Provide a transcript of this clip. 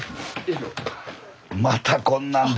またこんなん。